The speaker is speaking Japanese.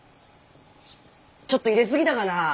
ちょっと入れすぎたかな。